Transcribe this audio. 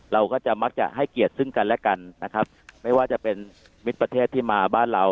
เราก็จะมักจะให้เกียรติซึ่งกันและกันนะครับไม่ว่าจะเป็นมิตรประเทศที่มาบ้านเรา